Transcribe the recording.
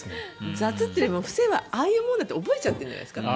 雑というより伏せはああいうものだと覚えちゃってるんじゃないですか？